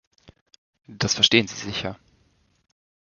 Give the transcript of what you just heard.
Das verstehen Sie sicher.